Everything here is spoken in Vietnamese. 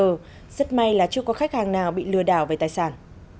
rất may là chưa có khách hàng nào bị lừa đảo về tài sản